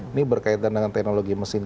ini berkaitan dengan teknologi mesin